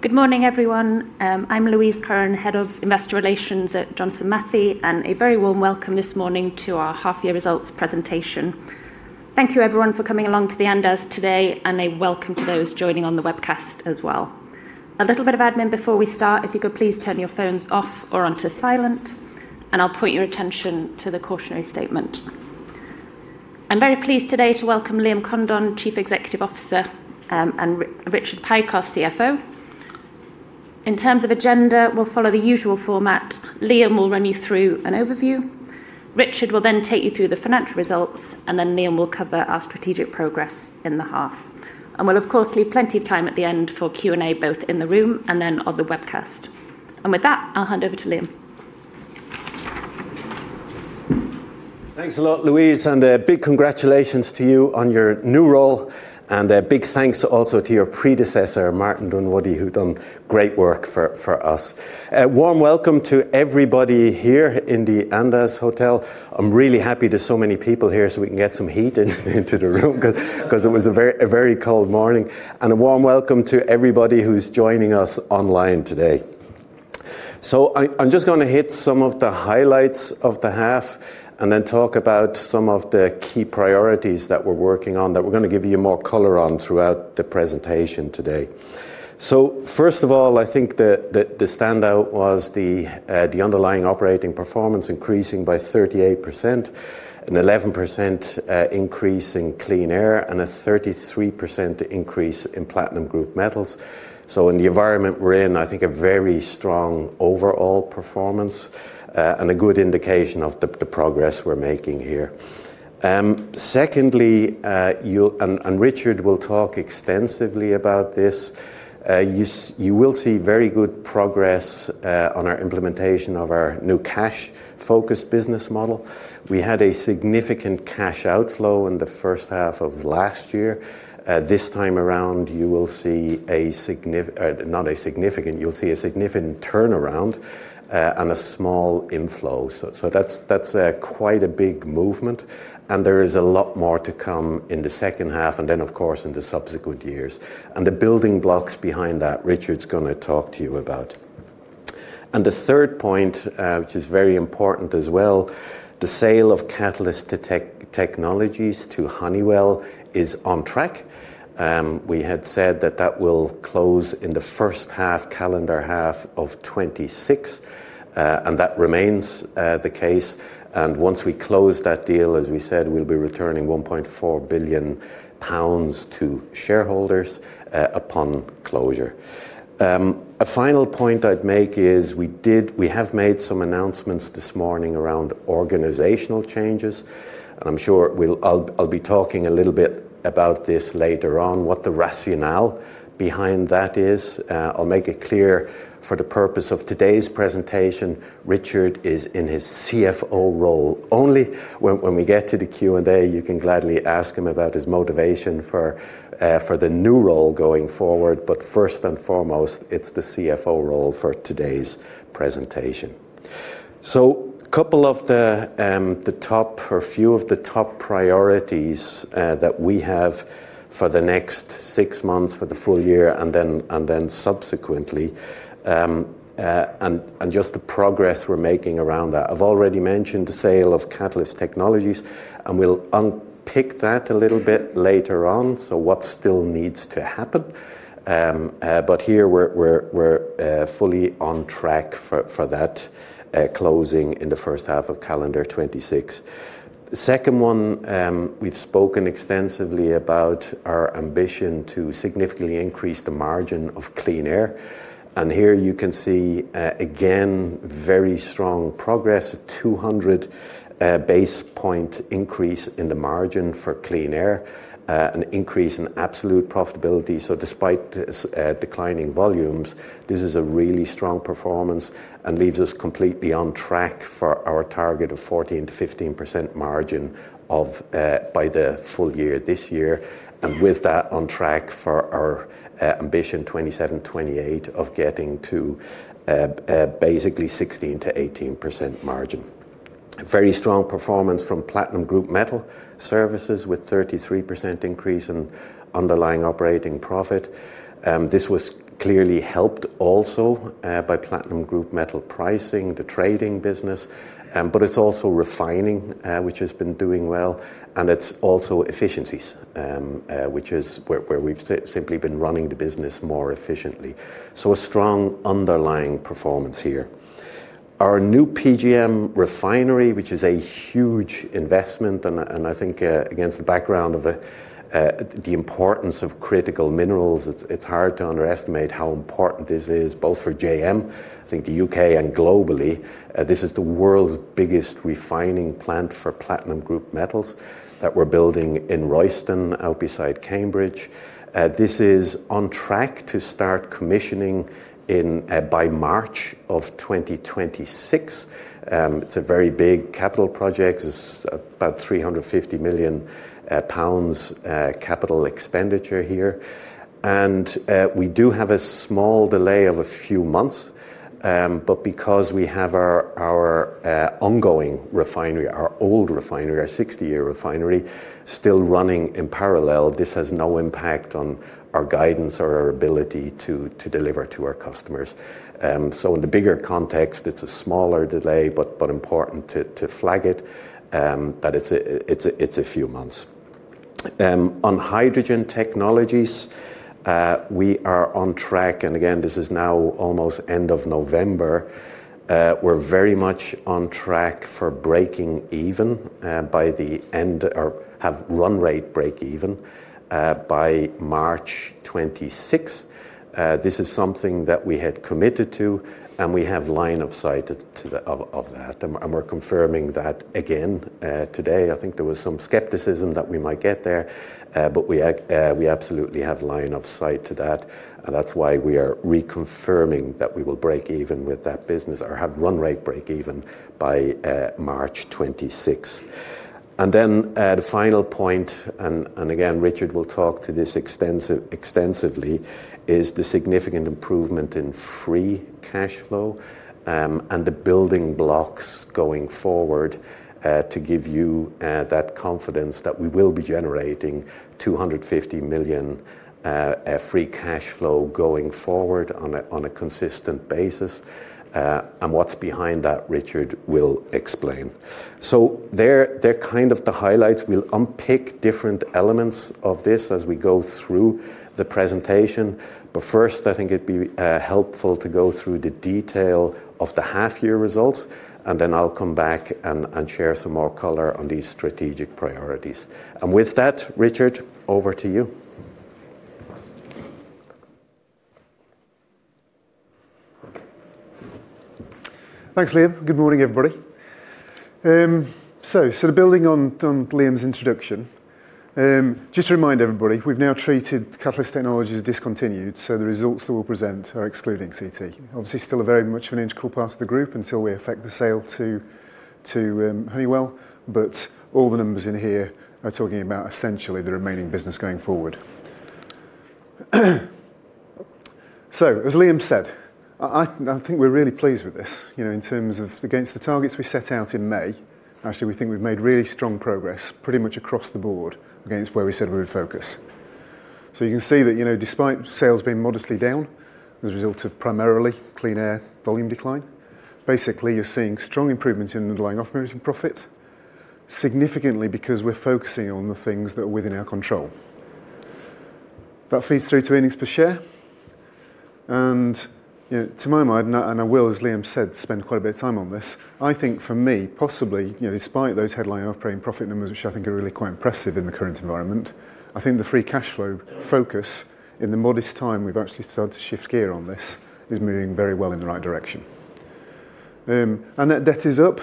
Good morning, everyone. I'm Louise Curran, Head of Investor Relations at Johnson Matthey, and a very warm welcome this morning to our half-year results presentation. Thank you, everyone, for coming along to the Andaz today, and a welcome to those joining on the webcast as well. A little bit of admin before we start: if you could please turn your phones off or onto silent, and I'll point your attention to the cautionary statement. I'm very pleased today to welcome Liam Condon, Chief Executive Officer, and Richard Pike, our CFO. In terms of agenda, we'll follow the usual format. Liam will run you through an overview. Richard will then take you through the financial results, and then Liam will cover our strategic progress in the half. We'll, of course, leave plenty of time at the end for Q&A, both in the room and then on the webcast. With that, I'll hand over to Liam. Thanks a lot, Louise, and big congratulations to you on your new role. And a big thanks also to your predecessor, Martin Dunwoodie, who's done great work for us. A warm welcome to everybody here in the Andaz Hotel. I'm really happy there's so many people here so we can get some heat into the room because it was a very cold morning. A warm welcome to everybody who's joining us online today. I'm just going to hit some of the highlights of the half and then talk about some of the key priorities that we're working on that we're going to give you more color on throughout the presentation today. First of all, I think the standout was the underlying operating performance increasing by 38%, an 11% increase in Clean Air, and a 33% increase in platinum group metals. In the environment we are in, I think a very strong overall performance and a good indication of the progress we are making here. Secondly, and Richard will talk extensively about this, you will see very good progress on our implementation of our new cash-focused business model. We had a significant cash outflow in the first half of last year. This time around, you will see a significant turnaround and a small inflow. That is quite a big movement. There is a lot more to come in the second half and then, of course, in the subsequent years. The building blocks behind that, Richard is going to talk to you about. The third point, which is very important as well, the sale of Catalyst Technologies to Honeywell is on track. We had said that that will close in the first half, calendar half of 2026, and that remains the case. Once we close that deal, as we said, we will be returning 1.4 billion pounds to shareholders upon closure. A final point I would make is we did—we have made some announcements this morning around organizational changes. I am sure I will be talking a little bit about this later on, what the rationale behind that is. I will make it clear for the purpose of today's presentation, Richard is in his CFO role. Only when we get to the Q&A, you can gladly ask him about his motivation for the new role going forward. First and foremost, it is the CFO role for today's presentation. A couple of the top or a few of the top priorities that we have for the next six months, for the full year, and then subsequently, and just the progress we're making around that. I have already mentioned the sale of Catalyst Technologies, and we will unpick that a little bit later on, so what still needs to happen. Here, we are fully on track for that closing in the first half of calendar 2026. The second one, we have spoken extensively about our ambition to significantly increase the margin of Clean Air. Here you can see, again, very strong progress, a 200 basis point increase in the margin for Clean Air, an increase in absolute profitability. Despite declining volumes, this is a really strong performance and leaves us completely on track for our target of 14%-15% margin by the full year this year. With that, on track for our ambition 2027-2028 of getting to basically 16%-18% margin. Very strong performance from platinum group metal services with a 33% increase in underlying operating profit. This was clearly helped also by platinum group metal pricing, the trading business, but it's also refining, which has been doing well, and it's also efficiencies, which is where we've simply been running the business more efficiently. A strong underlying performance here. Our new PGM refinery, which is a huge investment, and I think against the background of the importance of critical minerals, it's hard to underestimate how important this is, both for JM, the U.K., and globally. This is the world's biggest refining plant for platinum group metals that we're building in Royston out beside Cambridge. This is on track to start commissioning by March of 2026. It's a very big capital project. It's about 350 million pounds capital expenditure here. We do have a small delay of a few months, but because we have our ongoing refinery, our old refinery, our 60-year refinery still running in parallel, this has no impact on our guidance or our ability to deliver to our customers. In the bigger context, it's a smaller delay, but important to flag it that it's a few months. On hydrogen technologies, we are on track, and again, this is now almost end of November. We're very much on track for breaking even by the end or have run rate break even by March 2026. This is something that we had committed to, and we have line of sight of that. We're confirming that again today. I think there was some skepticism that we might get there, but we absolutely have line of sight to that. That is why we are reconfirming that we will break even with that business or have run rate break even by March 2026. The final point, and again, Richard will talk to this extensively, is the significant improvement in free cash flow and the building blocks going forward to give you that confidence that we will be generating 250 million free cash flow going forward on a consistent basis. What is behind that, Richard will explain. They are kind of the highlights. We will unpick different elements of this as we go through the presentation. First, I think it would be helpful to go through the detail of the half-year results, and then I will come back and share some more color on these strategic priorities. With that, Richard, over to you. Thanks, Liam. Good morning, everybody. Building on Liam's introduction, just to remind everybody, we've now treated Catalyst Technologies as discontinued, so the results that we'll present are excluding CT. Obviously, still very much an integral part of the group until we effect the sale to Honeywell, but all the numbers in here are talking about essentially the remaining business going forward. As Liam said, I think we're really pleased with this in terms of against the targets we set out in May. Actually, we think we've made really strong progress pretty much across the board against where we said we would focus. You can see that despite sales being modestly down as a result of primarily Clean Air volume decline, basically, you're seeing strong improvements in underlying operating profit, significantly because we're focusing on the things that are within our control. That feeds through to earnings per share. To my mind, and I will, as Liam said, spend quite a bit of time on this, I think for me, possibly, despite those headline operating profit numbers, which I think are really quite impressive in the current environment, I think the free cash flow focus in the modest time we have actually started to shift gear on this is moving very well in the right direction. That debt is up.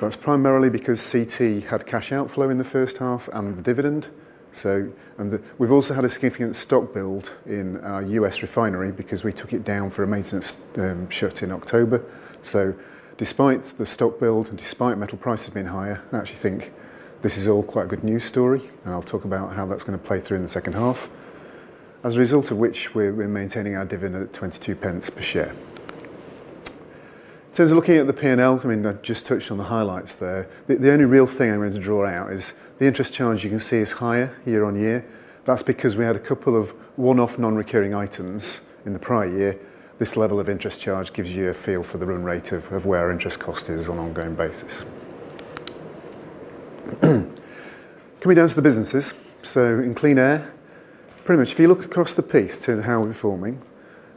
That is primarily because CT had cash outflow in the first half and the dividend. We have also had a significant stock build in our U.S. refinery because we took it down for a maintenance shut in October. Despite the stock build and despite metal prices being higher, I actually think this is all quite a good news story. I'll talk about how that's going to play through in the second half, as a result of which we're maintaining our dividend at 0.22 per share. In terms of looking at the P&L, I mean, I just touched on the highlights there. The only real thing I'm going to draw out is the interest charge. You can see it's higher year on year. That's because we had a couple of one-off non-recurring items in the prior year. This level of interest charge gives you a feel for the run rate of where our interest cost is on an ongoing basis. Coming down to the businesses. In Clean Air, pretty much if you look across the piece to how we're performing,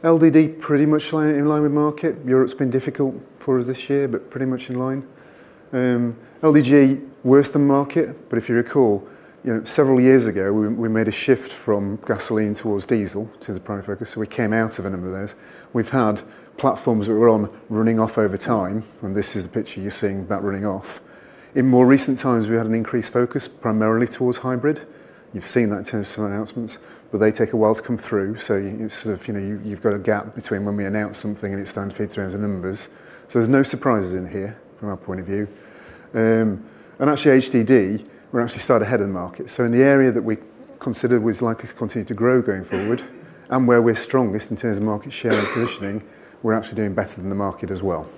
LDD pretty much in line with market. Europe's been difficult for us this year, but pretty much in line. LDG worse than market. If you recall, several years ago, we made a shift from gasoline towards diesel to the primary focus. We came out of a number of those. We've had platforms that were running off over time, and this is the picture you're seeing about running off. In more recent times, we had an increased focus primarily towards hybrid. You've seen that in terms of some announcements, but they take a while to come through. You've got a gap between when we announce something and it's time to feed through those numbers. There are no surprises in here from our point of view. Actually, HDD, we're actually starting ahead of the market. In the area that we consider we're likely to continue to grow going forward and where we're strongest in terms of market share and positioning, we're actually doing better than the market as well.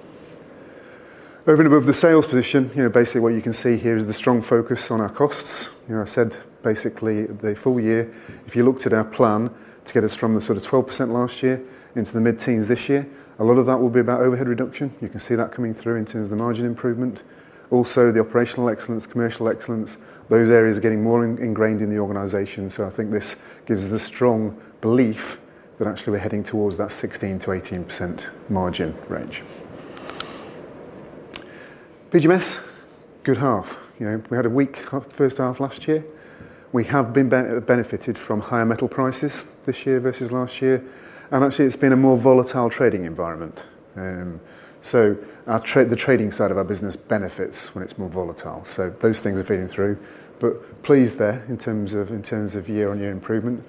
Over and above the sales position, basically what you can see here is the strong focus on our costs. I said basically the full year, if you looked at our plan to get us from the sort of 12% last year into the mid-teens this year, a lot of that will be about overhead reduction. You can see that coming through in terms of the margin improvement. Also, the operational excellence, commercial excellence, those areas are getting more ingrained in the organization. I think this gives the strong belief that actually we're heading towards that 16%-18% margin range. PGMs, good half. We had a weak first half last year. We have been benefited from higher metal prices this year versus last year. Actually, it's been a more volatile trading environment. The trading side of our business benefits when it's more volatile. Those things are feeding through. Pleased there in terms of year-on-year improvement.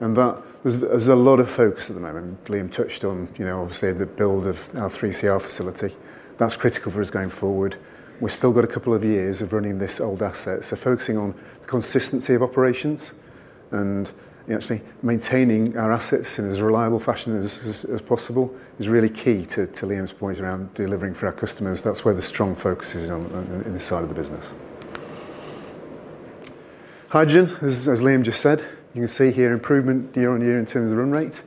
There is a lot of focus at the moment. Liam touched on, obviously, the build of our 3CR facility. That is critical for us going forward. We have still got a couple of years of running this old asset. Focusing on the consistency of operations and actually maintaining our assets in as reliable fashion as possible is really key to Liam's point around delivering for our customers. That is where the strong focus is on in this side of the business. Hydrogen, as Liam just said, you can see here improvement year on year in terms of run rate.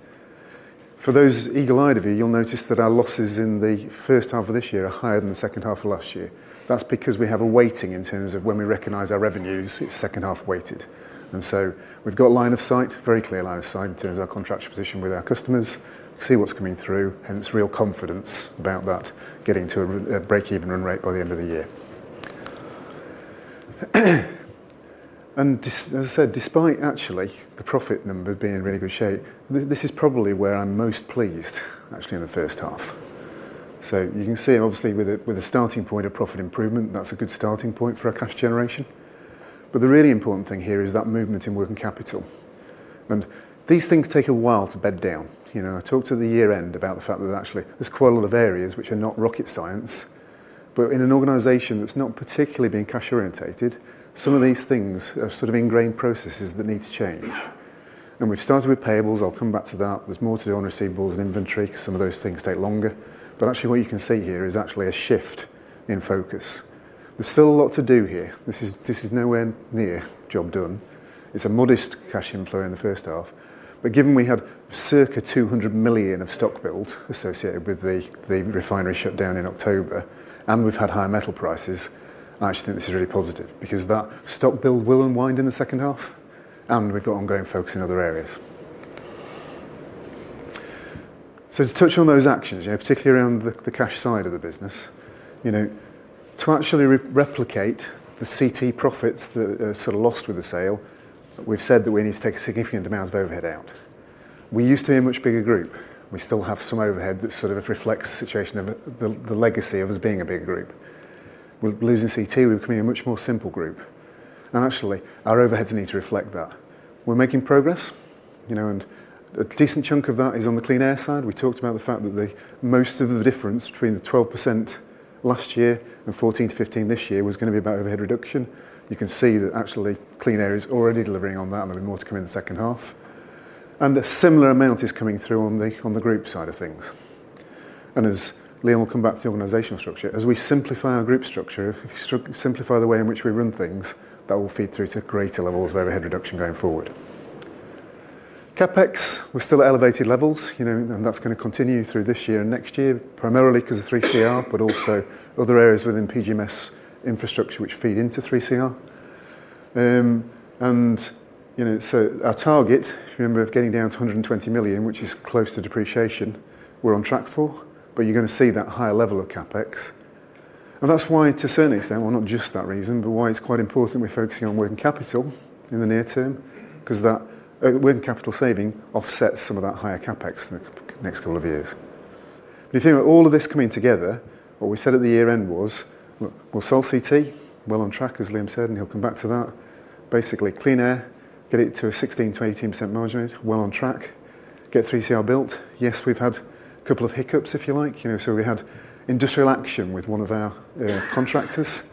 For those eagle-eyed of you, you will notice that our losses in the first half of this year are higher than the second half of last year. That's because we have a weighting in terms of when we recognize our revenues, it's second half weighted. We have line of sight, very clear line of sight in terms of our contractual position with our customers. See what's coming through, hence real confidence about that, getting to a break-even run rate by the end of the year. As I said, despite actually the profit number being in really good shape, this is probably where I'm most pleased, actually, in the first half. You can see, obviously, with a starting point of profit improvement, that's a good starting point for our cash generation. The really important thing here is that movement in working capital. These things take a while to bed down. I talked at the year-end about the fact that actually there's quite a lot of areas which are not rocket science. In an organization that's not particularly being cash-orientated, some of these things are sort of ingrained processes that need to change. We've started with payables. I'll come back to that. There's more to do on receivables and inventory because some of those things take longer. What you can see here is actually a shift in focus. There's still a lot to do here. This is nowhere near job done. It's a modest cash inflow in the first half. Given we had circa 200 million of stock build associated with the refinery shutdown in October, and we've had higher metal prices, I actually think this is really positive because that stock build will unwind in the second half, and we've got ongoing focus in other areas. To touch on those actions, particularly around the cash side of the business, to actually replicate the CT profits that are sort of lost with the sale, we've said that we need to take a significant amount of overhead out. We used to be a much bigger group. We still have some overhead that sort of reflects the situation of the legacy of us being a bigger group. With losing CT, we're becoming a much more simple group. Actually, our overheads need to reflect that. We're making progress, and a decent chunk of that is on the Clean Air side. We talked about the fact that most of the difference between the 12% last year and 14%-15% this year was going to be about overhead reduction. You can see that actually Clean Air is already delivering on that, and there will be more to come in the second half. A similar amount is coming through on the group side of things. As Liam will come back to the organizational structure, as we simplify our group structure, simplify the way in which we run things, that will feed through to greater levels of overhead reduction going forward. CapEx, we are still at elevated levels, and that is going to continue through this year and next year, primarily because of 3CR, but also other areas within PGM infrastructure which feed into 3CR. Our target, if you remember, of getting down to 120 million, which is close to depreciation, we are on track for, but you are going to see that higher level of CapEx. That is why, to a certain extent, not just that reason, but why it is quite important we are focusing on working capital in the near term because that working capital saving offsets some of that higher CapEx in the next couple of years. If you think about all of this coming together, what we said at the year-end was we will sell CT, well on track, as Liam said, and he will come back to that. Basically, Clean Air, get it to a 16%-18% margin, well on track, get 3CR built. Yes, we have had a couple of hiccups, if you like. We had industrial action with one of our contractors,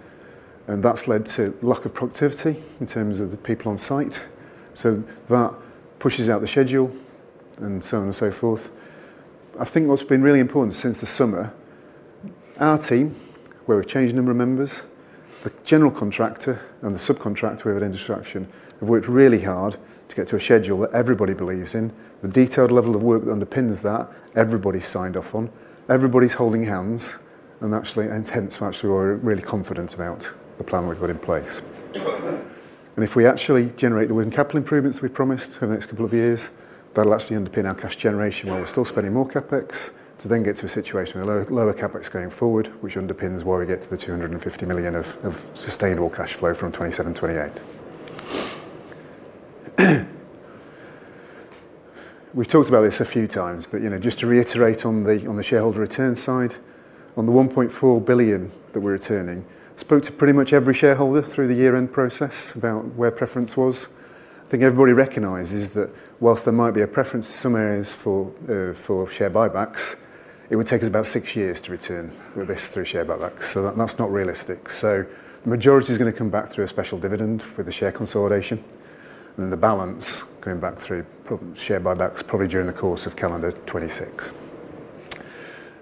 and that has led to lack of productivity in terms of the people on site. That pushes out the schedule and so on and so forth. I think what's been really important since the summer, our team, where we've changed the number of members, the general contractor and the subcontractor we have at end of structure, have worked really hard to get to a schedule that everybody believes in. The detailed level of work that underpins that, everybody's signed off on. Everybody's holding hands, and actually, intents are actually we're really confident about the plan we've put in place. If we actually generate the working capital improvements we've promised over the next couple of years, that'll actually underpin our cash generation while we're still spending more CapEx to then get to a situation with lower CapEx going forward, which underpins why we get to the 250 million of sustainable cash flow from 2027-2028. We've talked about this a few times, but just to reiterate on the shareholder return side, on the 1.4 billion that we're returning, spoke to pretty much every shareholder through the year-end process about where preference was. I think everybody recognizes that whilst there might be a preference to some areas for share buybacks, it would take us about six years to return with this through share buybacks. That is not realistic. The majority is going to come back through a special dividend with the share consolidation, and then the balance coming back through share buybacks probably during the course of calendar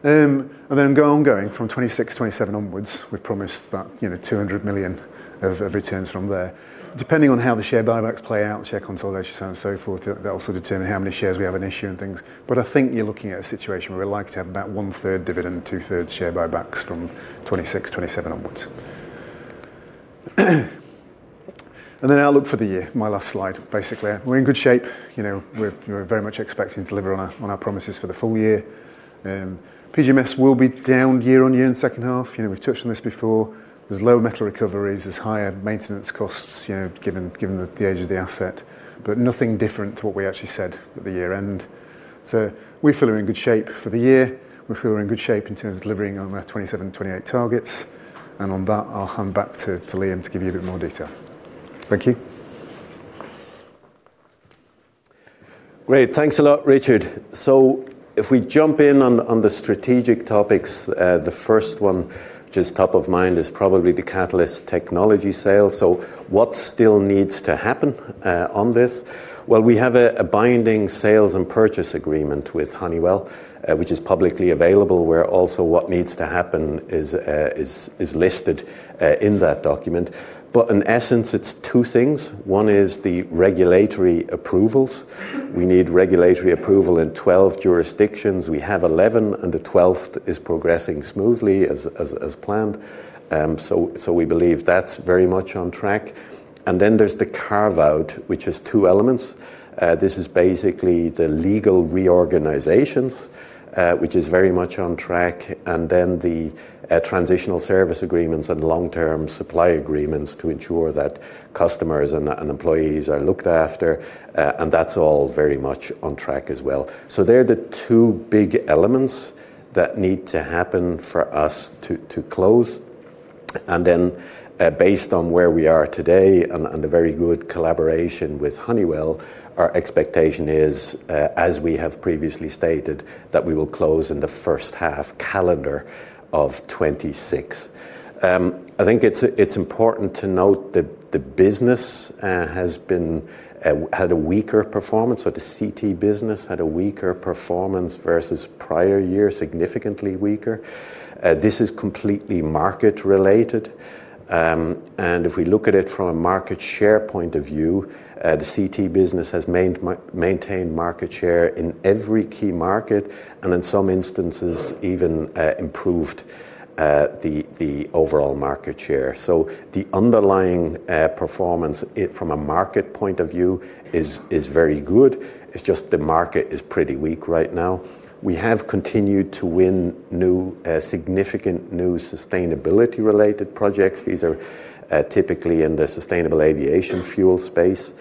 2026. Ongoing from 2026, 2027 onwards, we've promised that 200 million of returns from there. Depending on how the share buybacks play out, the share consolidation, so on and so forth, that'll also determine how many shares we have in issue and things. I think you're looking at a situation where we'd like to have about one-third dividend, two-thirds share buybacks from 2026, 2027 onwards. Our look for the year, my last slide, basically. We're in good shape. We're very much expecting to deliver on our promises for the full year. PGMs will be down year on year in the second half. We've touched on this before. There's low metal recoveries. There's higher maintenance costs given the age of the asset, but nothing different to what we actually said at the year-end. We feel we're in good shape for the year. We feel we're in good shape in terms of delivering on our 2027-2028 targets. On that, I'll hand back to Liam to give you a bit more detail. Thank you. Great. Thanks a lot, Richard. If we jump in on the strategic topics, the first one just top of mind is probably the Catalyst Technologies sale. What still needs to happen on this? We have a binding sales and purchase agreement with Honeywell, which is publicly available, where also what needs to happen is listed in that document. In essence, it's two things. One is the regulatory approvals. We need regulatory approval in 12 jurisdictions. We have 11, and the 12th is progressing smoothly as planned. We believe that's very much on track. Then there's the carve-out, which is two elements. This is basically the legal reorganizations, which is very much on track, and the transitional service agreements and long-term supply agreements to ensure that customers and employees are looked after. That's all very much on track as well. They are the two big elements that need to happen for us to close. Based on where we are today and the very good collaboration with Honeywell, our expectation is, as we have previously stated, that we will close in the first half calendar of 2026. I think it is important to note that the business has had a weaker performance. The CT business had a weaker performance versus prior year, significantly weaker. This is completely market-related. If we look at it from a market share point of view, the CT business has maintained market share in every key market, and in some instances, even improved the overall market share. The underlying performance from a market point of view is very good. It is just the market is pretty weak right now. We have continued to win significant new sustainability-related projects. These are typically in the sustainable aviation fuel space.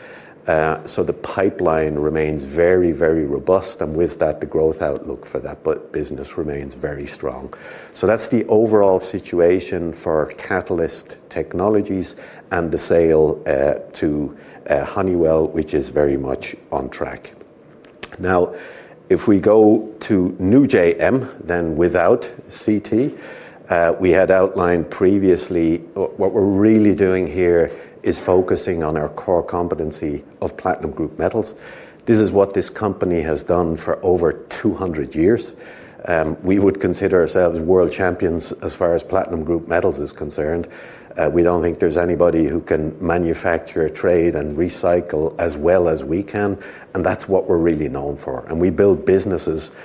The pipeline remains very, very robust. With that, the growth outlook for that business remains very strong. That is the overall situation for Catalyst Technologies and the sale to Honeywell, which is very much on track. If we go to new JM, then without CT, we had outlined previously what we are really doing here is focusing on our core competency of Platinum Group Metals. This is what this company has done for over 200 years. We would consider ourselves world champions as far as Platinum Group Metals is concerned. We do not think there is anybody who can manufacture, trade, and recycle as well as we can. That is what we are really known for. We build businesses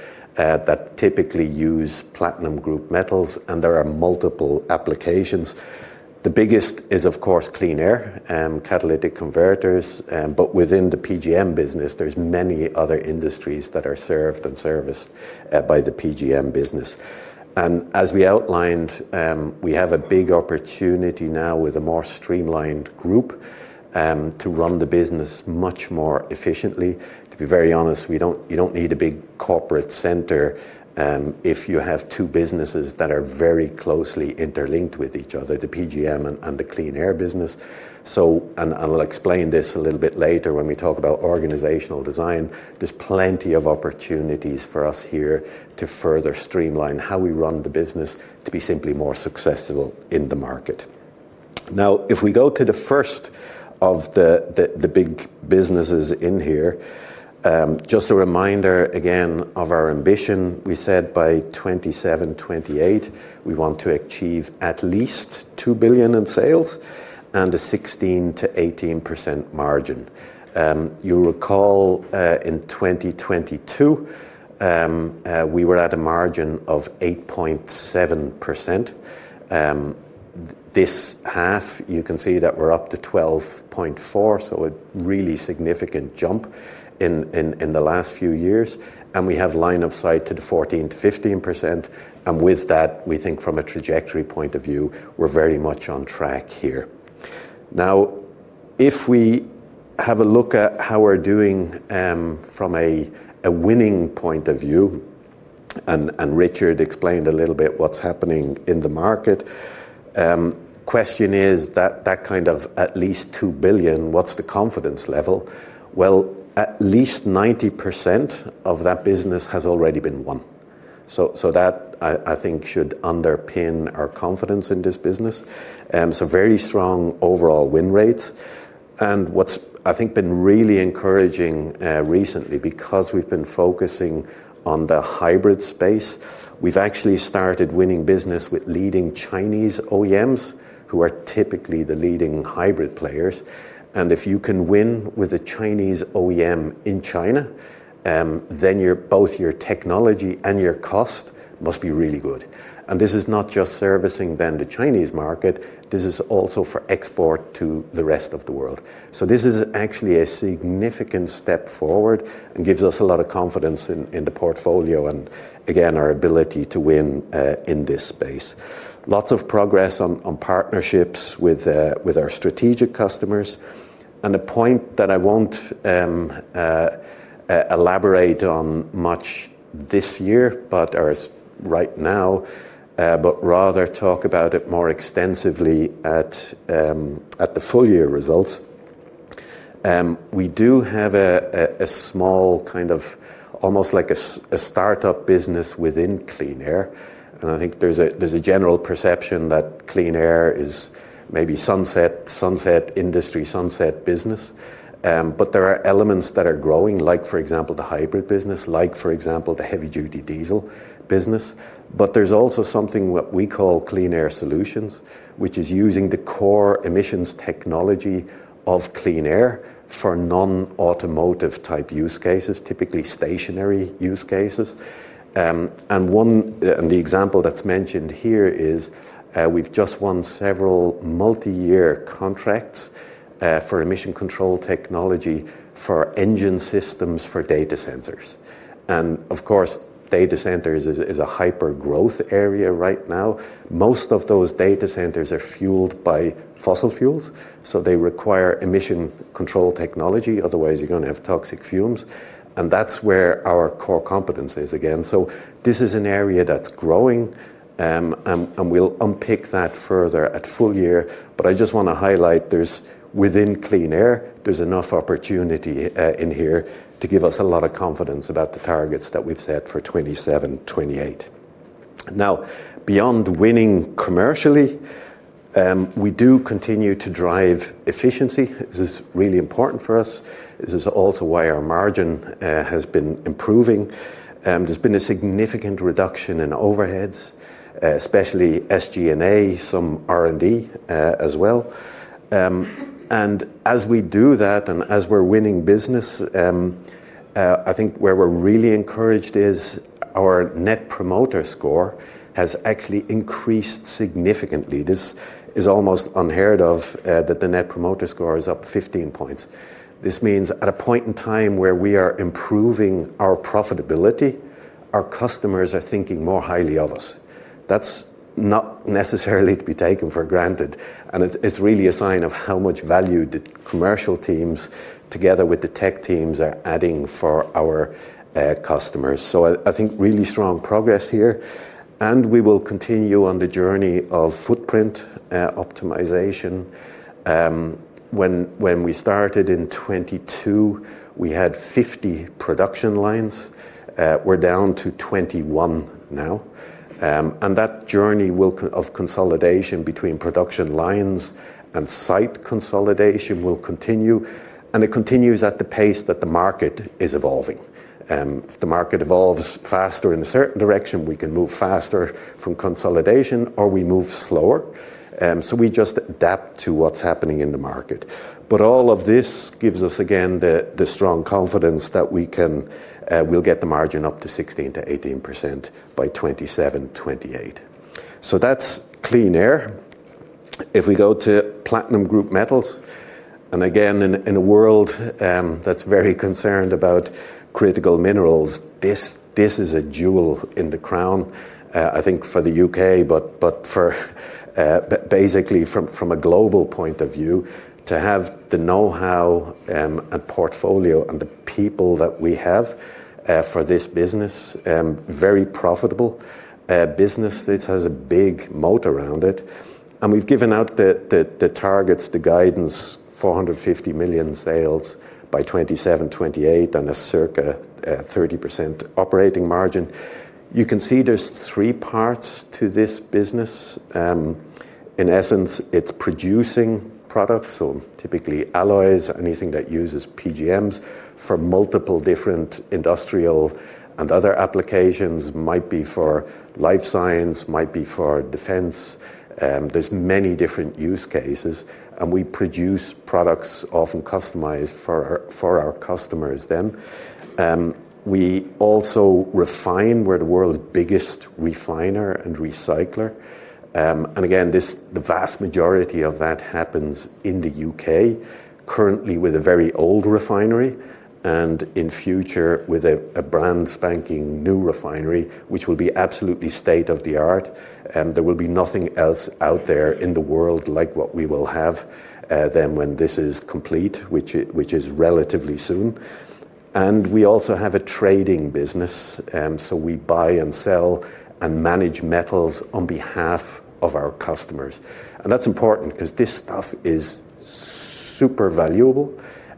that typically use Platinum Group Metals, and there are multiple applications. The biggest is, of course, Clean Air and catalytic converters. Within the PGM business, there are many other industries that are served and serviced by the PGM business. As we outlined, we have a big opportunity now with a more streamlined group to run the business much more efficiently. To be very honest, you do not need a big corporate center if you have two businesses that are very closely interlinked with each other, the PGM and the Clean Air business. I will explain this a little bit later when we talk about organizational design. There are plenty of opportunities for us here to further streamline how we run the business to be simply more successful in the market. Now, if we go to the first of the big businesses in here, just a reminder again of our ambition, we said by 2027-2028, we want to achieve at least 2 billion in sales and a 16%-18% margin. You'll recall in 2022, we were at a margin of 8.7%. This half, you can see that we're up to 12.4%, so a really significant jump in the last few years. We have line of sight to the 14%-15%. With that, we think from a trajectory point of view, we're very much on track here. Now, if we have a look at how we're doing from a winning point of view, and Richard explained a little bit what's happening in the market, the question is that kind of at least $2 billion, what's the confidence level? At least 90% of that business has already been won. That, I think, should underpin our confidence in this business. Very strong overall win rates. What is, I think, really encouraging recently because we have been focusing on the hybrid space, we have actually started winning business with leading Chinese OEMs who are typically the leading hybrid players. If you can win with a Chinese OEM in China, then both your technology and your cost must be really good. This is not just servicing the Chinese market. This is also for export to the rest of the world. This is actually a significant step forward and gives us a lot of confidence in the portfolio and, again, our ability to win in this space. Lots of progress on partnerships with our strategic customers. A point that I will not elaborate on much this year, but right now, but rather talk about it more extensively at the full year results. We do have a small kind of almost like a startup business within Clean Air. I think there is a general perception that Clean Air is maybe a sunset industry, sunset business. There are elements that are growing, like, for example, the hybrid business, like, for example, the heavy-duty diesel business. There is also something that we call Clean Air Solutions, which is using the core emissions technology of Clean Air for non-automotive-type use cases, typically stationary use cases. The example that is mentioned here is we have just won several multi-year contracts for emission control technology for engine systems for data centers. Data centers are a hyper-growth area right now. Most of those data centers are fueled by fossil fuels, so they require emission control technology. Otherwise, you are going to have toxic fumes. That is where our core competence is again. This is an area that's growing, and we'll unpick that further at full year. I just want to highlight, within Clean Air, there's enough opportunity in here to give us a lot of confidence about the targets that we've set for 2027-2028. Now, beyond winning commercially, we do continue to drive efficiency. This is really important for us. This is also why our margin has been improving. There's been a significant reduction in overheads, especially SG&A, some R&D as well. As we do that and as we're winning business, I think where we're really encouraged is our Net Promoter Score has actually increased significantly. This is almost unheard of that the Net Promoter Score is up 15 points. This means at a point in time where we are improving our profitability, our customers are thinking more highly of us. That's not necessarily to be taken for granted. It is really a sign of how much value the commercial teams together with the tech teams are adding for our customers. I think really strong progress here. We will continue on the journey of footprint optimization. When we started in 2022, we had 50 production lines. We are down to 21 now. That journey of consolidation between production lines and site consolidation will continue. It continues at the pace that the market is evolving. If the market evolves faster in a certain direction, we can move faster from consolidation or we move slower. We just adapt to what is happening in the market. All of this gives us, again, the strong confidence that we will get the margin up to 16%-18% by 2027-2028. That is Clean Air. If we go to Platinum Group Metals, and again, in a world that's very concerned about critical minerals, this is a jewel in the crown, I think, for the U.K., but basically from a global point of view, to have the know-how and portfolio and the people that we have for this business, very profitable business that has a big moat around it. We have given out the targets, the guidance, 450 million sales by 2027-2028 and a circa 30% operating margin. You can see there are three parts to this business. In essence, it is producing products, so typically alloys, anything that uses PGMs for multiple different industrial and other applications, might be for life science, might be for defense. There are many different use cases. We produce products often customized for our customers then. We also refine where we are the world's biggest refiner and recycler. The vast majority of that happens in the U.K., currently with a very old refinery and in future with a brand-spanking-new refinery, which will be absolutely state-of-the-art. There will be nothing else out there in the world like what we will have then when this is complete, which is relatively soon. We also have a trading business. We buy and sell and manage metals on behalf of our customers. That is important because this stuff is super valuable.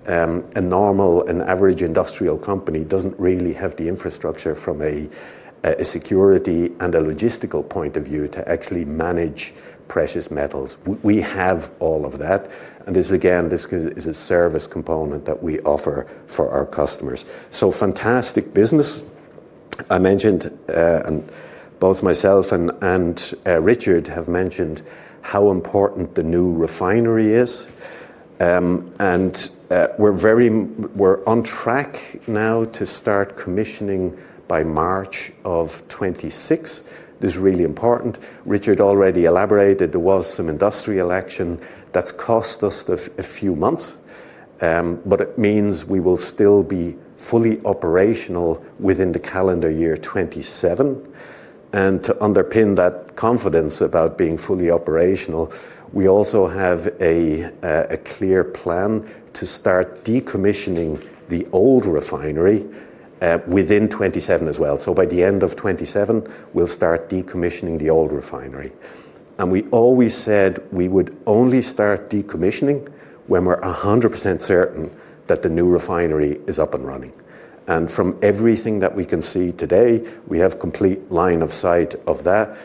A normal, an average industrial company does not really have the infrastructure from a security and a logistical point of view to actually manage precious metals. We have all of that. This is a service component that we offer for our customers. Fantastic business. I mentioned, and both myself and Richard have mentioned how important the new refinery is. We're on track now to start commissioning by March of 2026. This is really important. Richard already elaborated there was some industrial action that's cost us a few months, but it means we will still be fully operational within the calendar year 2027. To underpin that confidence about being fully operational, we also have a clear plan to start decommissioning the old refinery within 2027 as well. By the end of 2027, we'll start decommissioning the old refinery. We always said we would only start decommissioning when we're 100% certain that the new refinery is up and running. From everything that we can see today, we have complete line of sight of that.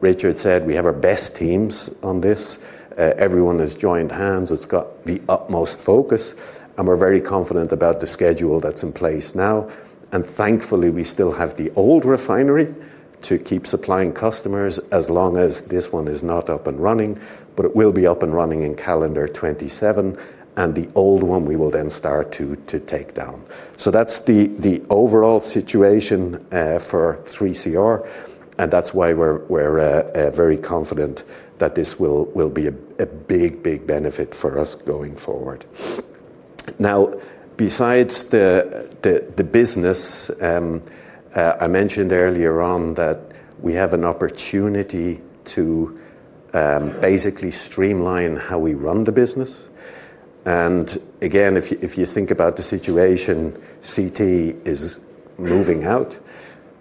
Richard said we have our best teams on this. Everyone has joined hands. It's got the utmost focus. We're very confident about the schedule that's in place now. Thankfully, we still have the old refinery to keep supplying customers as long as this one is not up and running. It will be up and running in calendar 2027. The old one we will then start to take down. That is the overall situation for 3CR. That is why we are very confident that this will be a big, big benefit for us going forward. Now, besides the business, I mentioned earlier on that we have an opportunity to basically streamline how we run the business. Again, if you think about the situation, CT is moving out.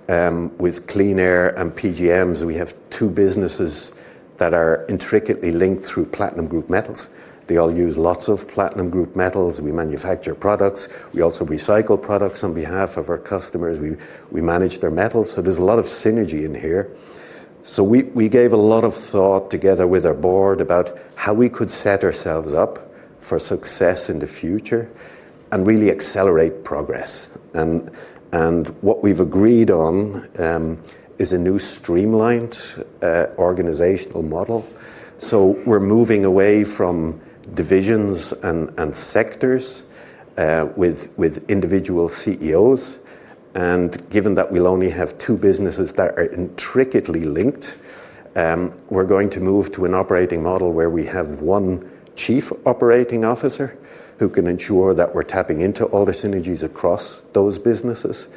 With Clean Air and PGMs, we have two businesses that are intricately linked through Platinum Group Metals. They all use lots of Platinum Group Metals. We manufacture products. We also recycle products on behalf of our customers. We manage their metals. There is a lot of synergy in here. We gave a lot of thought together with our board about how we could set ourselves up for success in the future and really accelerate progress. What we have agreed on is a new streamlined organizational model. We are moving away from divisions and sectors with individual CEOs. Given that we will only have two businesses that are intricately linked, we are going to move to an operating model where we have one Chief Operating Officer who can ensure that we are tapping into all the synergies across those businesses.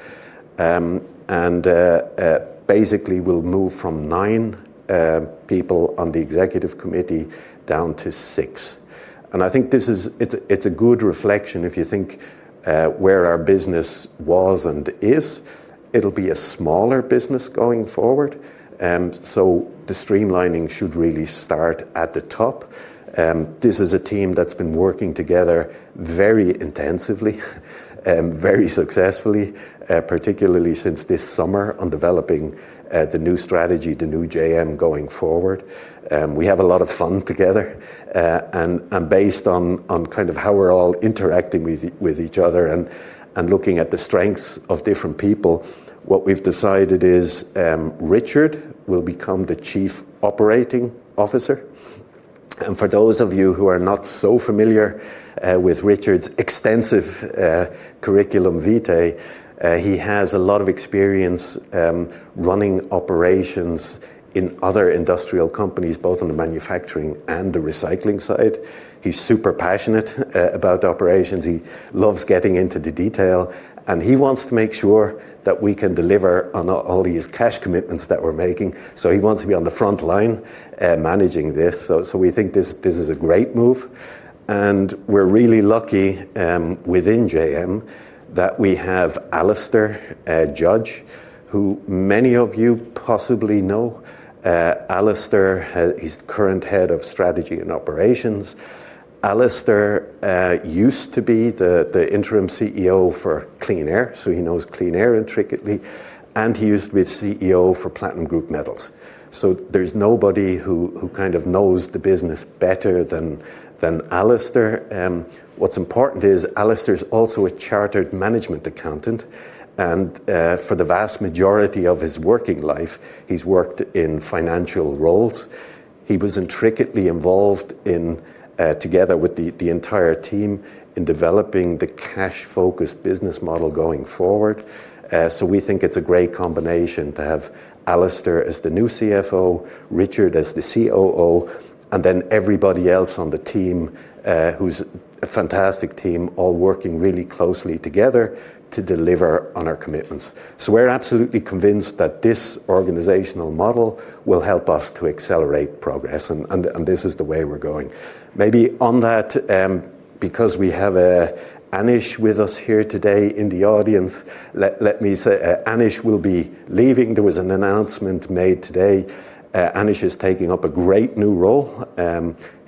Basically, we will move from nine people on the executive committee down to six. I think it is a good reflection. If you think where our business was and is, it will be a smaller business going forward. The streamlining should really start at the top. This is a team that's been working together very intensively and very successfully, particularly since this summer on developing the new strategy, the new JM going forward. We have a lot of fun together. Based on kind of how we're all interacting with each other and looking at the strengths of different people, what we've decided is Richard will become the Chief Operating Officer. For those of you who are not so familiar with Richard's extensive curriculum vitae, he has a lot of experience running operations in other industrial companies, both on the manufacturing and the recycling side. He's super passionate about operations. He loves getting into the detail. He wants to make sure that we can deliver on all these cash commitments that we're making. He wants to be on the front line managing this. We think this is a great move. We are really lucky within JM that we have Alastair Judge, who many of you possibly know. Alastair is the current Head of Strategy and Operations. Alastair used to be the interim CEO for Clean Air, so he knows Clean Air intricately. He used to be the CEO for Platinum Group Metals. There is nobody who kind of knows the business better than Alastair. What is important is Alastair is also a chartered management accountant. For the vast majority of his working life, he has worked in financial roles. He was intricately involved together with the entire team in developing the cash-focused business model going forward. We think it is a great combination to have Alastair as the new CFO, Richard as the COO, and then everybody else on the team who is a fantastic team, all working really closely together to deliver on our commitments. We're absolutely convinced that this organizational model will help us to accelerate progress. This is the way we're going. Maybe on that, because we have Anish with us here today in the audience, let me say Anish will be leaving. There was an announcement made today. Anish is taking up a great new role.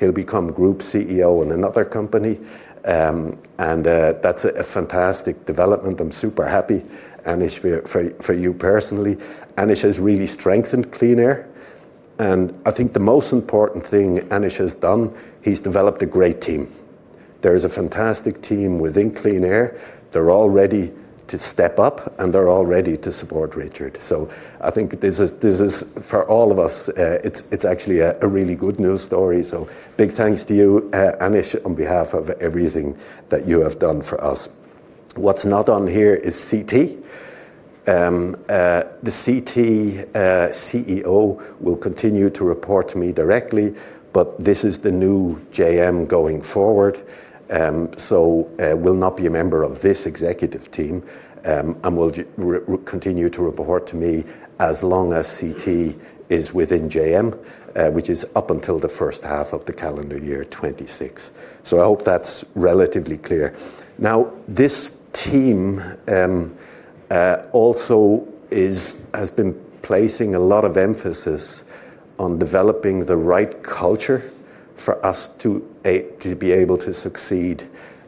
He'll become group CEO in another company. That's a fantastic development. I'm super happy, Anish, for you personally. Anish has really strengthened Clean Air. I think the most important thing Anish has done, he's developed a great team. There is a fantastic team within Clean Air. They're all ready to step up, and they're all ready to support Richard. I think this is, for all of us, it's actually a really good news story. Big thanks to you, Anish, on behalf of everything that you have done for us. What's not on here is CT. The CT CEO will continue to report to me directly, but this is the new JM going forward. CT will not be a member of this executive team and will continue to report to me as long as CT is within JM, which is up until the first half of the calendar year 2026. I hope that's relatively clear. This team also has been placing a lot of emphasis on developing the right culture for us to be able to succeed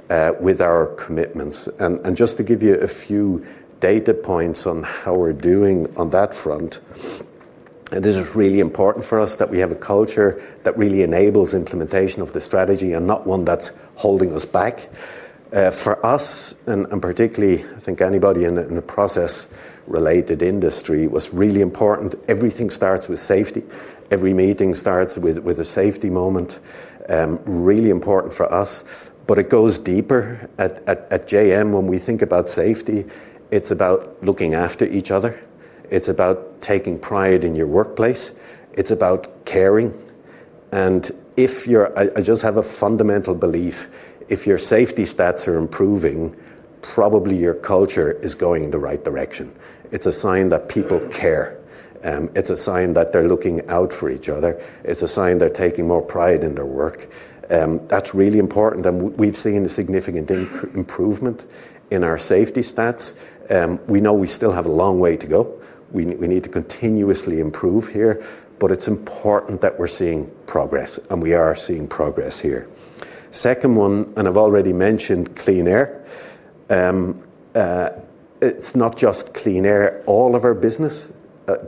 with our commitments. Just to give you a few data points on how we're doing on that front, this is really important for us that we have a culture that really enables implementation of the strategy and not one that's holding us back. For us, and particularly, I think anybody in the process-related industry, it was really important. Everything starts with safety. Every meeting starts with a safety moment. Really important for us. It goes deeper. At JM, when we think about safety, it's about looking after each other. It's about taking pride in your workplace. It's about caring. I just have a fundamental belief. If your safety stats are improving, probably your culture is going in the right direction. It's a sign that people care. It's a sign that they're looking out for each other. It's a sign they're taking more pride in their work. That's really important. We've seen a significant improvement in our safety stats. We know we still have a long way to go. We need to continuously improve here. It's important that we're seeing progress. We are seeing progress here. Second one, I've already mentioned Clean Air. It's not just Clean Air. All of our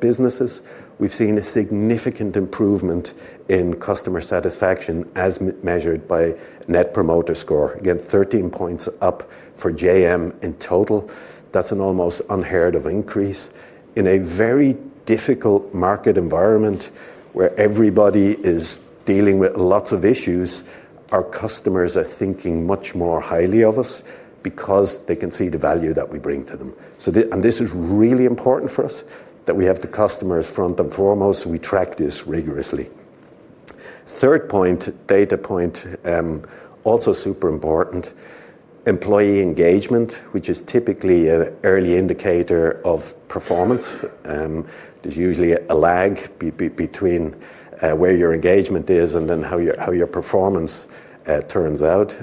businesses, we've seen a significant improvement in customer satisfaction as measured by Net Promoter Score. Again, 13 points up for JM in total. That's an almost unheard-of increase. In a very difficult market environment where everybody is dealing with lots of issues, our customers are thinking much more highly of us because they can see the value that we bring to them. This is really important for us that we have the customers front and foremost. We track this rigorously. Third point, data point, also super important, employee engagement, which is typically an early indicator of performance. There's usually a lag between where your engagement is and then how your performance turns out.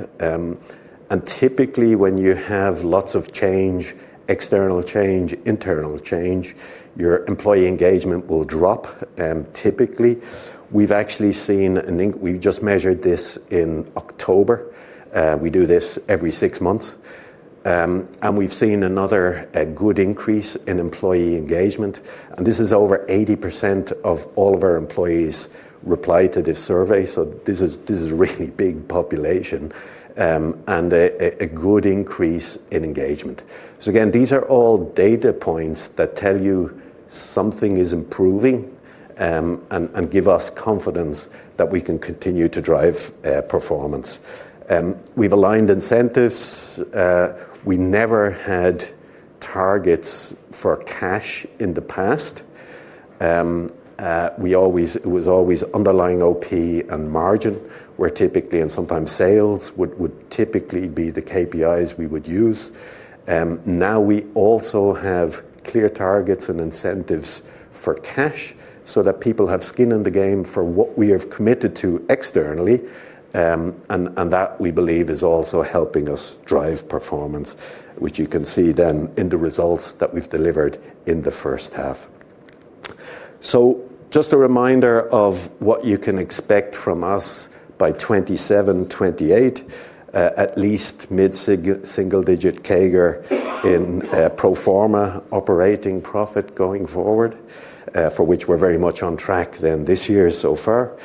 Typically, when you have lots of change, external change, internal change, your employee engagement will drop. Typically, we've actually seen an we've just measured this in October. We do this every six months. We have seen another good increase in employee engagement. This is over 80% of all of our employees who reply to this survey. This is a really big population and a good increase in engagement. These are all data points that tell you something is improving and give us confidence that we can continue to drive performance. We have aligned incentives. We never had targets for cash in the past. It was always underlying operating profit and margin, and sometimes sales would typically be the KPIs we would use. Now, we also have clear targets and incentives for cash so that people have skin in the game for what we have committed to externally. That, we believe, is also helping us drive performance, which you can see in the results that we have delivered in the first half. Just a reminder of what you can expect from us by 2027, 2028, at least mid-single-digit CAGR in pro forma operating profit going forward, for which we're very much on track this year so far.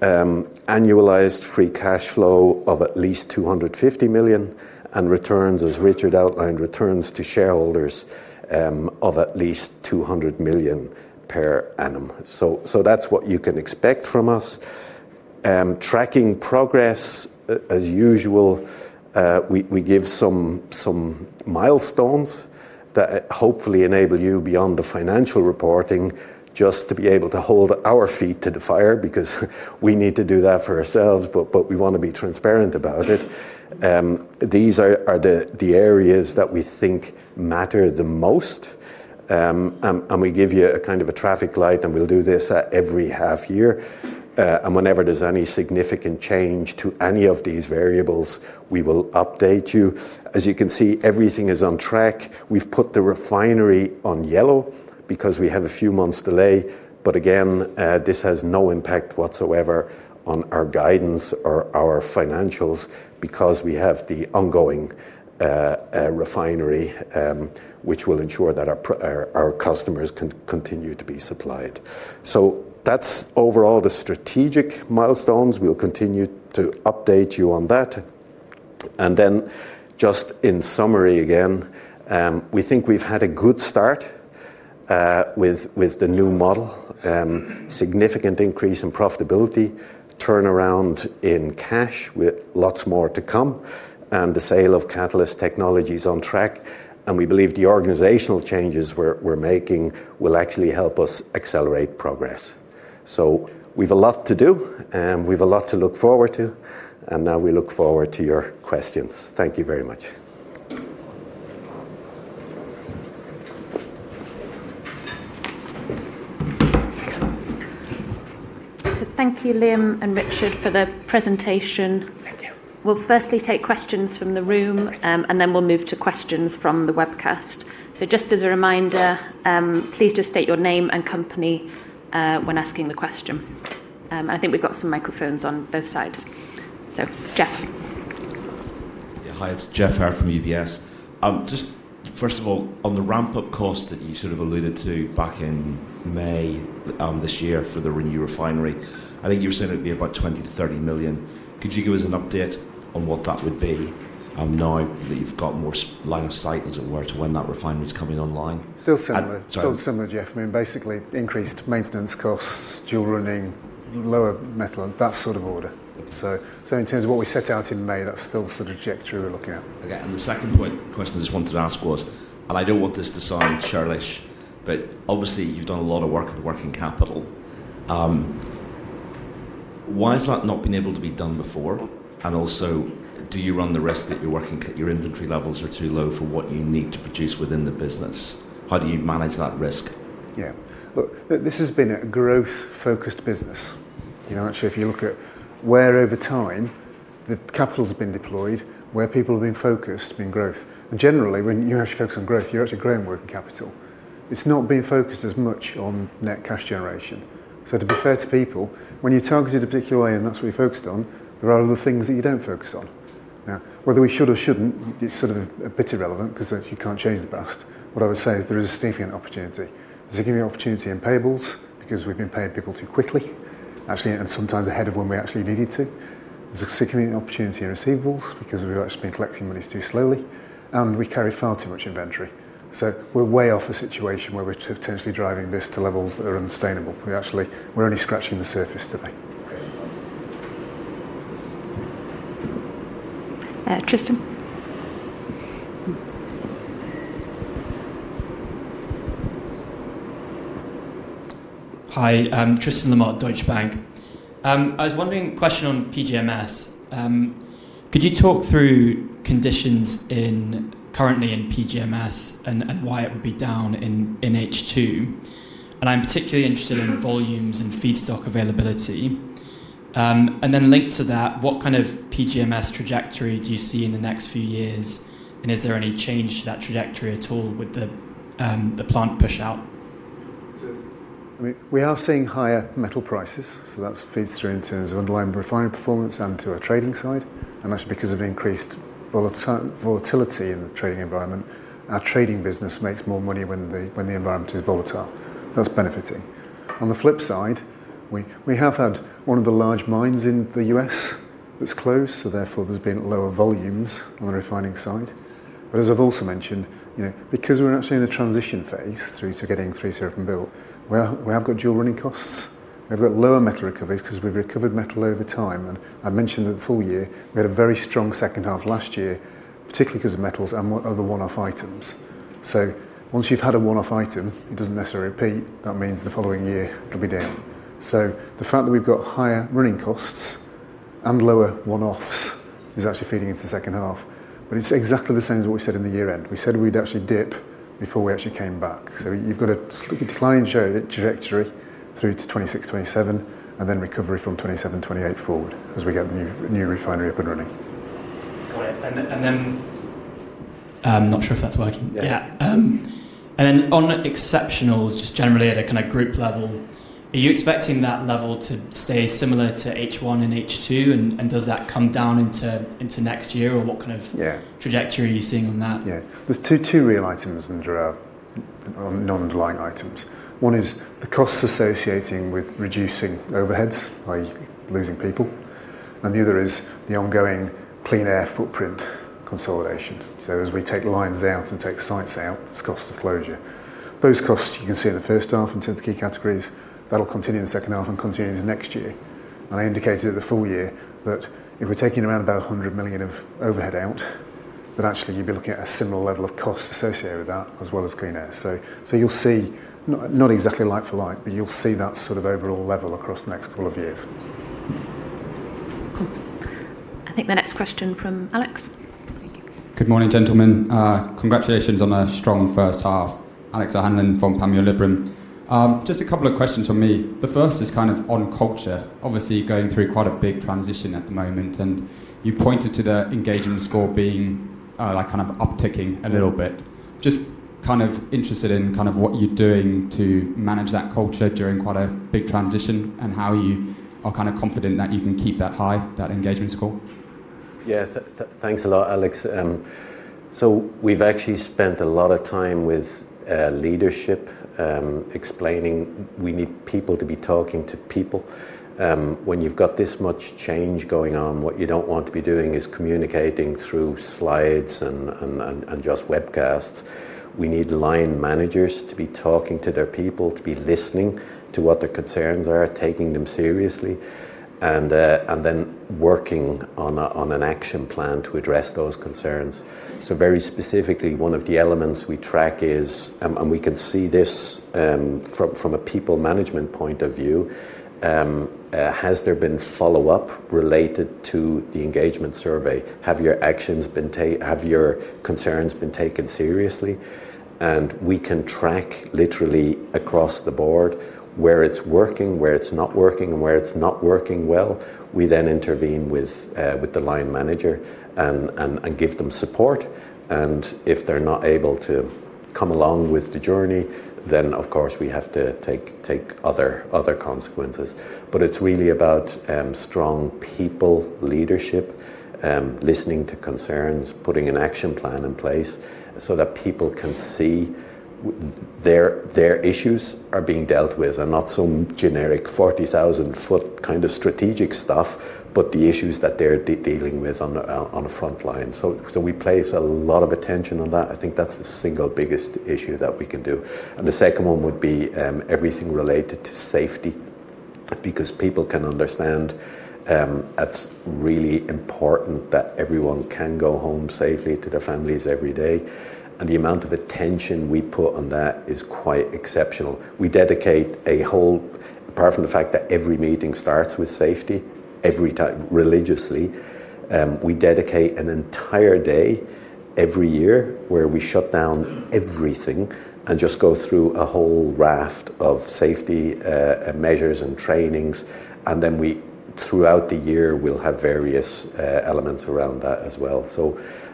Annualized free cash flow of at least 250 million and returns, as Richard outlined, returns to shareholders of at least 200 million per annum. That is what you can expect from us. Tracking progress, as usual, we give some milestones that hopefully enable you beyond the financial reporting just to be able to hold our feet to the fire because we need to do that for ourselves, but we want to be transparent about it. These are the areas that we think matter the most. We give you a kind of a traffic light, and we'll do this every half year. Whenever there's any significant change to any of these variables, we will update you. As you can see, everything is on track. We've put the refinery on yellow because we have a few months' delay. Again, this has no impact whatsoever on our guidance or our financials because we have the ongoing refinery, which will ensure that our customers can continue to be supplied. That's overall the strategic milestones. We'll continue to update you on that. Just in summary again, we think we've had a good start with the new model, significant increase in profitability, turnaround in cash with lots more to come, and the sale of Catalyst Technologies on track. We believe the organizational changes we're making will actually help us accelerate progress. We've a lot to do, and we've a lot to look forward to. We look forward to your questions. Thank you very much. Excellent. Thank you, Liam and Richard, for the presentation. Thank you. We'll firstly take questions from the room, and then we'll move to questions from the webcast. Just as a reminder, please just state your name and company when asking the question. I think we've got some microphones on both sides. Jeff. Yeah, hi. It's Jeff Arrow from UBS. Just first of all, on the ramp-up cost that you sort of alluded to back in May this year for the new refinery, I think you were saying it would be about 20 million-30 million. Could you give us an update on what that would be now that you've got more line of sight, as it were, to when that refinery is coming online? Still similar. Still similar, Jeff. I mean, basically, increased maintenance costs, dual running, lower metal, that sort of order. In terms of what we set out in May, that's still the sort of trajectory we're looking at. Okay. The second question I just wanted to ask was, and I do not want this to sound childish, but obviously, you have done a lot of work with working capital. Why has that not been able to be done before? Also, do you run the risk that your inventory levels are too low for what you need to produce within the business? How do you manage that risk? Yeah. Look, this has been a growth-focused business. Actually, if you look at where over time the capital has been deployed, where people have been focused in growth. Generally, when you actually focus on growth, you're actually growing working capital. It's not been focused as much on net cash generation. To be fair to people, when you targeted a particular way, and that's what you focused on, there are other things that you don't focus on. Now, whether we should or shouldn't, it's sort of a bit irrelevant because you can't change the past. What I would say is there is a significant opportunity. There's a significant opportunity in payables because we've been paying people too quickly, actually, and sometimes ahead of when we actually needed to. There's a significant opportunity in receivables because we've actually been collecting monies too slowly, and we carry far too much inventory. We're way off a situation where we're potentially driving this to levels that are unsustainable. We're only scratching the surface today. Tristan. Hi. Tristan Lamont, Deutsche Bank. I was wondering, question on PGMs. Could you talk through conditions currently in PGMs and why it would be down in H2? I am particularly interested in volumes and feedstock availability. Linked to that, what kind of PGMs trajectory do you see in the next few years? Is there any change to that trajectory at all with the plant push out? I mean, we are seeing higher metal prices. That feeds through in terms of underlying refinery performance and to our trading side. Actually, because of increased volatility in the trading environment, our trading business makes more money when the environment is volatile. That is benefiting. On the flip side, we have had one of the large mines in the U.S. that has closed. Therefore, there have been lower volumes on the refining side. As I have also mentioned, because we are actually in a transition phase through to getting 3CR built, we have got dual running costs. We have got lower metal recoveries because we have recovered metal over time. I mentioned that for the full year, we had a very strong second half last year, particularly because of metals and other one-off items. Once you have had a one-off item, it does not necessarily repeat. That means the following year, it'll be down. The fact that we've got higher running costs and lower one-offs is actually feeding into the second half. It is exactly the same as what we said in the year end. We said we'd actually dip before we actually came back. You have a slightly declining trajectory through to 2026, 2027, and then recovery from 2027, 2028 forward as we get the new refinery up and running. Got it. Then. I'm not sure if that's working. Yeah. On exceptionals, just generally at a kind of group level, are you expecting that level to stay similar to H1 and H2? Does that come down into next year? What kind of trajectory are you seeing on that? Yeah. There are two real items under our non-underlying items. One is the costs associated with reducing overheads, i.e., losing people. The other is the ongoing Clean Air footprint consolidation. As we take lines out and take sites out, there are costs of closure. Those costs, you can see in the first half in terms of the key categories. That will continue in the second half and continue into next year. I indicated for the full year that if we are taking around 100 million of overhead out, you would be looking at a similar level of cost associated with that as well as Clean Air. You will see, not exactly like for like, but you will see that sort of overall level across the next couple of years. I think the next question from Alex. Thank you. Good morning, gentlemen. Congratulations on a strong first half. Alex O'Hanlon from Panmure Liberum. Just a couple of questions from me. The first is kind of on culture. Obviously, going through quite a big transition at the moment. You pointed to the engagement score being kind of upticking a little bit. Just kind of interested in kind of what you're doing to manage that culture during quite a big transition and how you are kind of confident that you can keep that high, that engagement score. Yeah. Thanks a lot, Alex. We have actually spent a lot of time with leadership explaining we need people to be talking to people. When you have got this much change going on, what you do not want to be doing is communicating through slides and just webcasts. We need line managers to be talking to their people, to be listening to what their concerns are, taking them seriously, and then working on an action plan to address those concerns. Very specifically, one of the elements we track is, and we can see this from a people management point of view, has there been follow-up related to the engagement survey? Have your actions been taken? Have your concerns been taken seriously? We can track literally across the board where it is working, where it is not working, and where it is not working well. We then intervene with the line manager and give them support. If they're not able to come along with the journey, of course, we have to take other consequences. It is really about strong people leadership, listening to concerns, putting an action plan in place so that people can see their issues are being dealt with and not some generic 40,000-foot kind of strategic stuff, but the issues that they're dealing with on the front line. We place a lot of attention on that. I think that's the single biggest issue that we can do. The second one would be everything related to safety because people can understand it's really important that everyone can go home safely to their families every day. The amount of attention we put on that is quite exceptional. We dedicate a whole, apart from the fact that every meeting starts with safety religiously, we dedicate an entire day every year where we shut down everything and just go through a whole raft of safety measures and trainings. Throughout the year, we'll have various elements around that as well.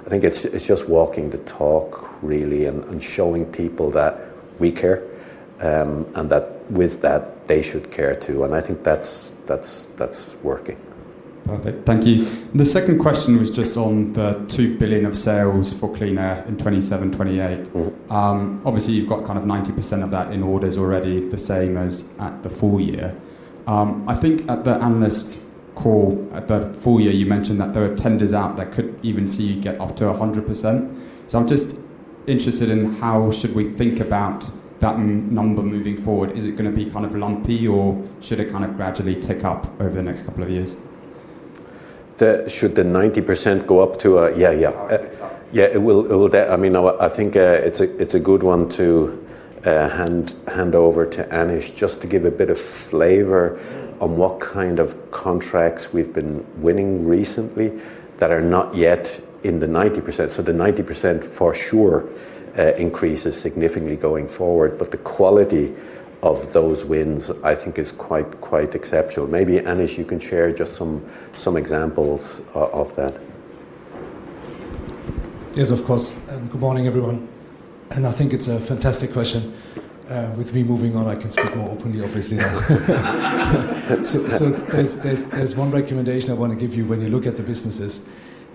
I think it's just walking the talk, really, and showing people that we care and that with that, they should care too. I think that's working. Perfect. Thank you. The second question was just on the 2 billion of sales for Clean Air in 2027, 2028. Obviously, you've got kind of 90% of that in orders already, the same as at the full year. I think at the analyst call, at the full year, you mentioned that there were tenders out that could even see you get up to 100%. So I'm just interested in how should we think about that number moving forward? Is it going to be kind of lumpy, or should it kind of gradually tick up over the next couple of years? Should the 90% go up to a yeah, yeah. Yeah, it will. I mean, I think it's a good one to hand over to Anish just to give a bit of flavor on what kind of contracts we've been winning recently that are not yet in the 90%. So the 90% for sure increases significantly going forward. But the quality of those wins, I think, is quite exceptional. Maybe Anish, you can share just some examples of that. Yes, of course. Good morning, everyone. I think it's a fantastic question. With me moving on, I can speak more openly, obviously. There is one recommendation I want to give you when you look at the businesses.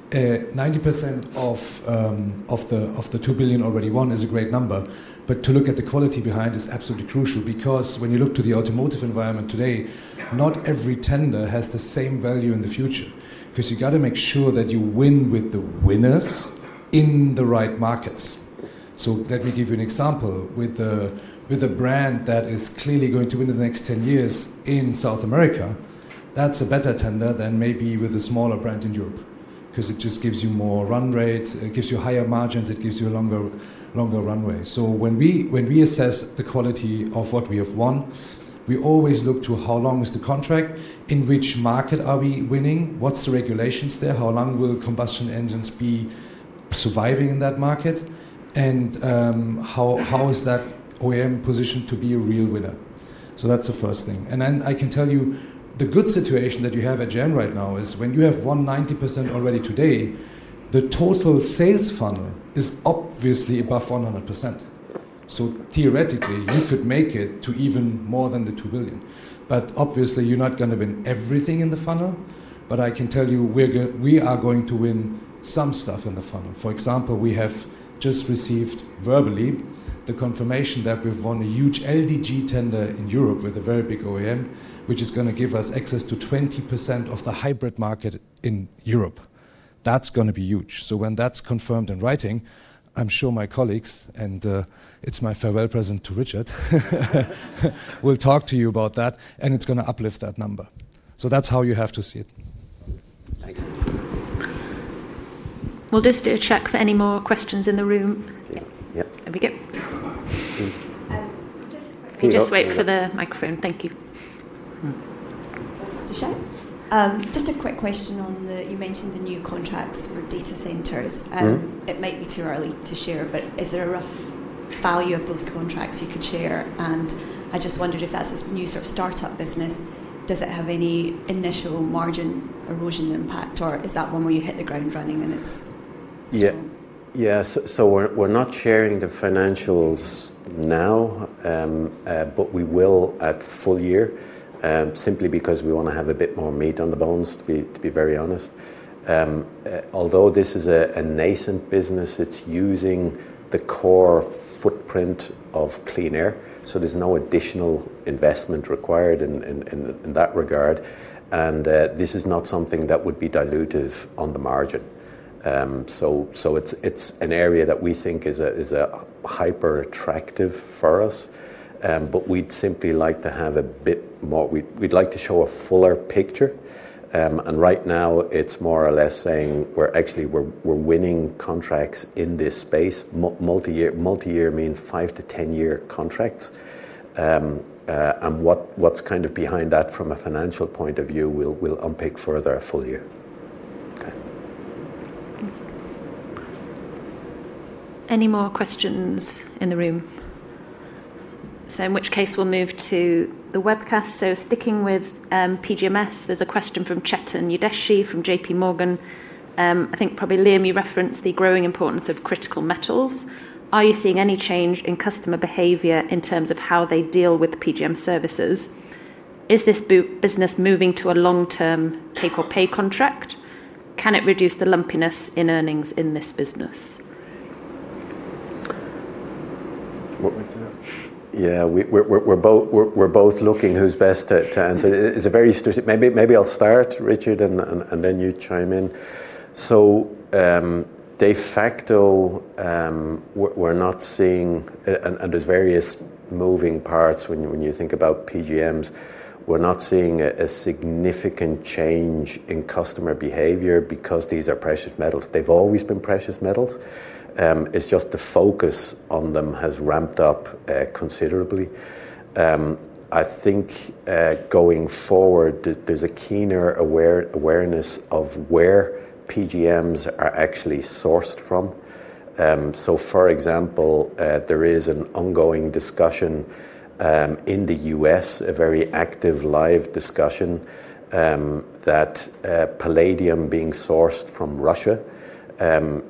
90% of the $2 billion already won is a great number. To look at the quality behind is absolutely crucial because when you look to the automotive environment today, not every tender has the same value in the future because you have to make sure that you win with the winners in the right markets. Let me give you an example. With a brand that is clearly going to win in the next 10 years in South America, that is a better tender than maybe with a smaller brand in Europe because it just gives you more run rate, it gives you higher margins, it gives you a longer runway. When we assess the quality of what we have won, we always look to how long is the contract, in which market are we winning, what are the regulations there, how long will combustion engines be surviving in that market, and how is that OEM positioned to be a real winner. That is the first thing. I can tell you the good situation that you have at Gem right now is when you have won 90% already today, the total sales funnel is obviously above 100%. Theoretically, you could make it to even more than the $2 billion. Obviously, you are not going to win everything in the funnel. I can tell you we are going to win some stuff in the funnel. For example, we have just received verbally the confirmation that we've won a huge LDG tender in Europe with a very big OEM, which is going to give us access to 20% of the hybrid market in Europe. That is going to be huge. When that is confirmed in writing, I am sure my colleagues, and it is my farewell present to Richard, will talk to you about that, and it is going to uplift that number. That is how you have to see it. Thanks. We'll just do a check for any more questions in the room. There we go. Just wait for the microphone. Thank you. Sorry to share. Just a quick question on the you mentioned the new contracts for data centers. It might be too early to share, but is there a rough value of those contracts you could share? I just wondered if that's a new sort of startup business, does it have any initial margin erosion impact, or is that one where you hit the ground running and it's gone? Yeah. We're not sharing the financials now, but we will at full year simply because we want to have a bit more meat on the bones, to be very honest. Although this is a nascent business, it's using the core footprint of Clean Air. There's no additional investment required in that regard. This is not something that would be dilutive on the margin. It's an area that we think is hyper-attractive for us, but we'd simply like to have a bit more, we'd like to show a fuller picture. Right now, it's more or less saying we're actually winning contracts in this space. Multi-year means 5-10 year contracts. What's kind of behind that from a financial point of view, we'll unpick further at full year. Okay. Any more questions in the room? In which case, we'll move to the webcast. Sticking with PGMs, there's a question from Chetan Udeshi from JPMorgan. I think probably Liam, you referenced the growing importance of critical metals. Are you seeing any change in customer behavior in terms of how they deal with PGM services? Is this business moving to a long-term take-or-pay contract? Can it reduce the lumpiness in earnings in this business? Yeah. We're both looking who's best to answer. It's a very maybe I'll start, Richard, and then you chime in. De facto, we're not seeing, and there's various moving parts when you think about PGMs. We're not seeing a significant change in customer behavior because these are precious metals. They've always been precious metals. It's just the focus on them has ramped up considerably. I think going forward, there's a keener awareness of where PGMs are actually sourced from. For example, there is an ongoing discussion in the U.S., a very active live discussion, that palladium being sourced from Russia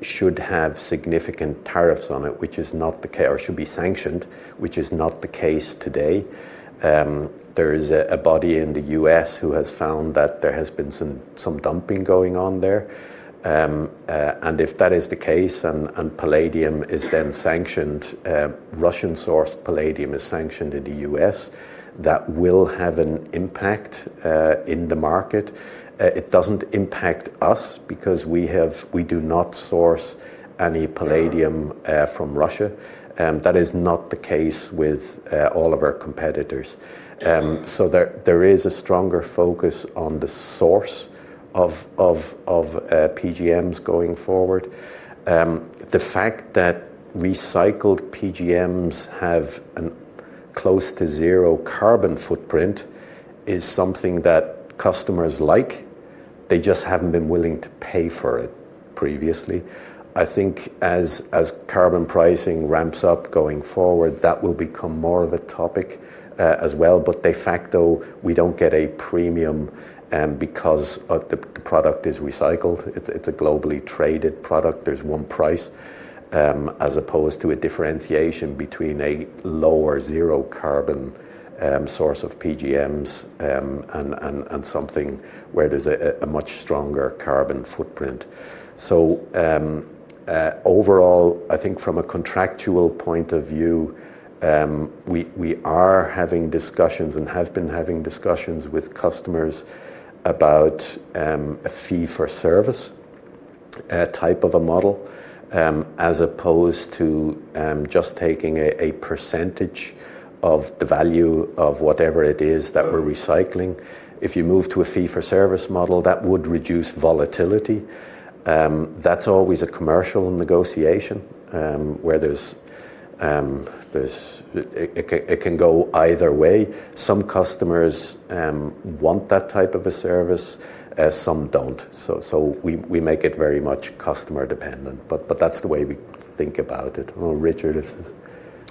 should have significant tariffs on it, which is not the case, or should be sanctioned, which is not the case today. There is a body in the U.S. who has found that there has been some dumping going on there. If that is the case and palladium is then sanctioned, Russian-sourced palladium is sanctioned in the U.S., that will have an impact in the market. It does not impact us because we do not source any palladium from Russia. That is not the case with all of our competitors. There is a stronger focus on the source of PGMs going forward. The fact that recycled PGMs have close to zero carbon footprint is something that customers like. They just have not been willing to pay for it previously. I think as carbon pricing ramps up going forward, that will become more of a topic as well. De facto, we do not get a premium because the product is recycled. It is a globally traded product. There is one price as opposed to a differentiation between a lower zero carbon source of PGMs and something where there is a much stronger carbon footprint. Overall, I think from a contractual point of view, we are having discussions and have been having discussions with customers about a fee-for-service type of a model as opposed to just taking a percentage of the value of whatever it is that we're recycling. If you move to a fee-for-service model, that would reduce volatility. That's always a commercial negotiation where it can go either way. Some customers want that type of a service. Some do not. We make it very much customer-dependent. That is the way we think about it. Richard,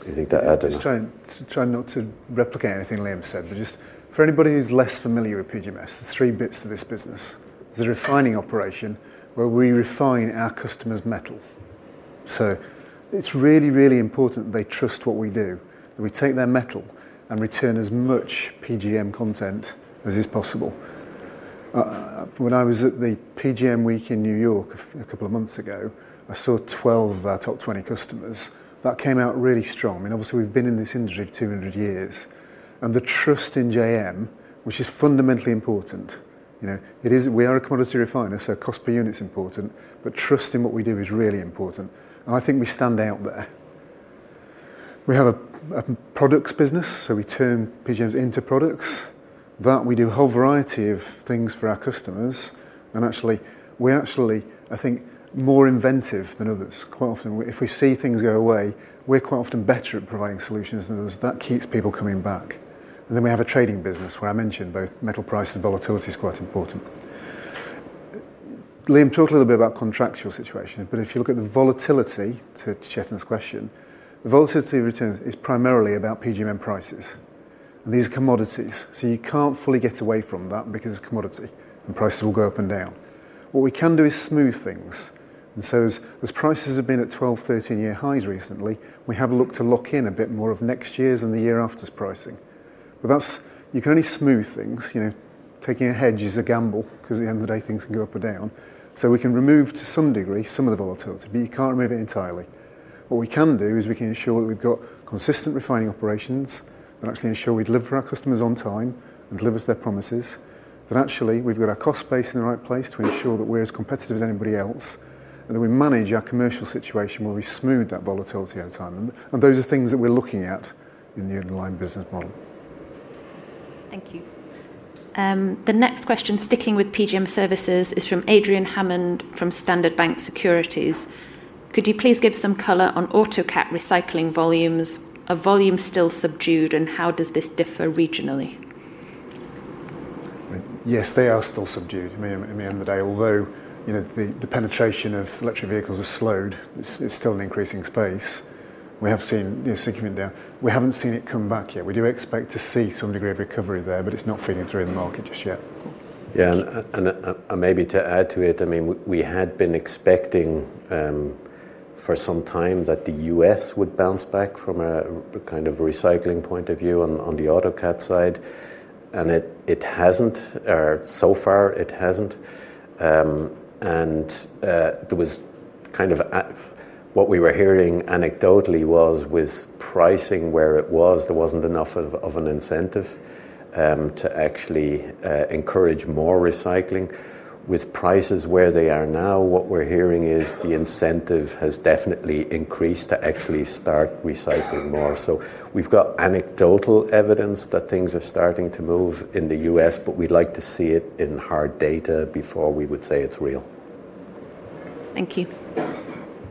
do you think to add? Just trying not to replicate anything Liam said, but just for anybody who's less familiar with PGMs, there's three bits to this business. There's a refining operation where we refine our customers' metal. It's really, really important that they trust what we do, that we take their metal and return as much PGM content as is possible. When I was at the PGM week in New York a couple of months ago, I saw 12 top 20 customers. That came out really strong. I mean, obviously, we've been in this industry for 200 years. The trust in JM, which is fundamentally important. We are a commodity refiner, so cost per unit's important, but trust in what we do is really important. I think we stand out there. We have a products business, so we turn PGMs into products. We do a whole variety of things for our customers. Actually, we're actually, I think, more inventive than others. Quite often, if we see things go away, we're quite often better at providing solutions than others. That keeps people coming back. We have a trading business where I mentioned both metal price and volatility is quite important. Liam, talk a little bit about contractual situation. If you look at the volatility, to Chetan's question, the volatility return is primarily about PGM prices and these commodities. You can't fully get away from that because it's a commodity, and prices will go up and down. What we can do is smooth things. As prices have been at 12-13 year highs recently, we have a look to lock in a bit more of next year's and the year after's pricing. You can only smooth things. Taking a hedge is a gamble because at the end of the day, things can go up or down. We can remove, to some degree, some of the volatility, but you can't remove it entirely. What we can do is we can ensure that we've got consistent refining operations that actually ensure we deliver for our customers on time and deliver to their promises, that actually we've got our cost base in the right place to ensure that we're as competitive as anybody else and that we manage our commercial situation where we smooth that volatility over time. Those are things that we're looking at in the underlying business model. Thank you. The next question, sticking with PGM services, is from Adrian Hammond from Standard Bank Securities. Could you please give some color on AutoCAT recycling volumes? Are volumes still subdued, and how does this differ regionally? Yes, they are still subdued at the end of the day. Although the penetration of electric vehicles has slowed, it's still an increasing space. We have seen a significant down. We haven't seen it come back yet. We do expect to see some degree of recovery there, but it's not feeding through in the market just yet. Yeah. Maybe to add to it, I mean, we had been expecting for some time that the U.S. would bounce back from a kind of recycling point of view on the AutoCAT side. It has not. So far, it has not. Kind of what we were hearing anecdotally was with pricing where it was, there was not enough of an incentive to actually encourage more recycling. With prices where they are now, what we are hearing is the incentive has definitely increased to actually start recycling more. We have got anecdotal evidence that things are starting to move in the U.S., but we would like to see it in hard data before we would say it is real. Thank you.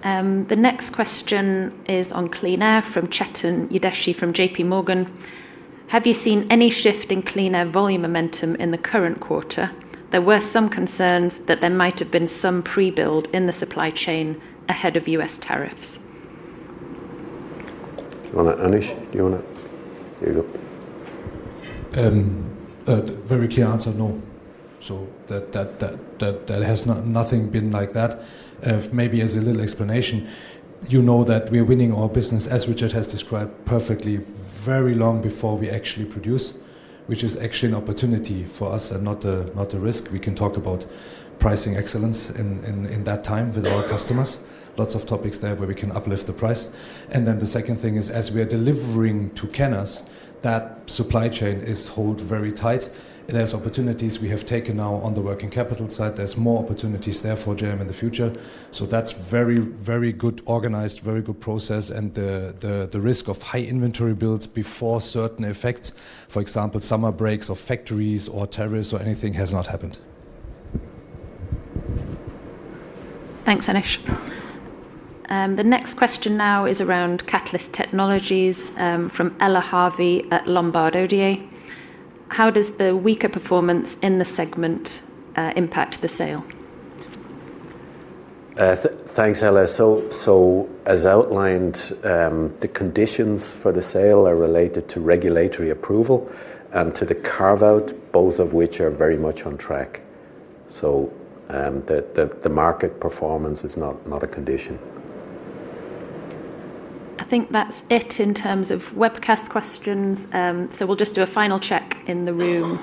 The next question is on Clean Air from Chetan Udeshi from JPMorgan. Have you seen any shift in Clean Air volume momentum in the current quarter? There were some concerns that there might have been some pre-build in the supply chain ahead of U.S. tariffs. Do you want to unleash? Do you want to? Here you go. A very clear answer, no. There has nothing been like that. Maybe as a little explanation, you know that we're winning our business, as Richard has described perfectly, very long before we actually produce, which is actually an opportunity for us and not a risk. We can talk about pricing excellence in that time with our customers. Lots of topics there where we can uplift the price. The second thing is, as we are delivering to Kenners, that supply chain is held very tight. There are opportunities we have taken now on the working capital side. There are more opportunities there for GM in the future. That is very, very good organized, very good process. The risk of high inventory builds before certain effects, for example, summer breaks or factories or tariffs or anything, has not happened. Thanks, Anish. The next question now is around Catalyst Technologies from Ella Harvey at Lombard Odier. How does the weaker performance in the segment impact the sale? Thanks, Ella. As outlined, the conditions for the sale are related to regulatory approval and to the carve-out, both of which are very much on track. The market performance is not a condition. I think that's it in terms of webcast questions. We'll just do a final check in the room.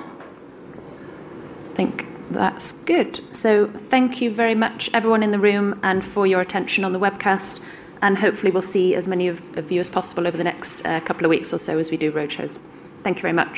I think that's good. Thank you very much, everyone in the room, and for your attention on the webcast. Hopefully, we'll see as many of you as possible over the next couple of weeks or so as we do roadshows. Thank you very much.